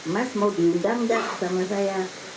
mas mau diundang nggak sama saya